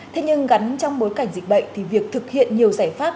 thế nhưng gắn trong bối cảnh dịch bệnh thì việc thực hiện nhiều giải pháp